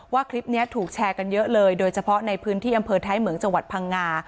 คลิปนี้ถูกแชร์กันเยอะเลยโดยเฉพาะในพื้นที่อำเภอท้ายเหมืองจังหวัดพังงา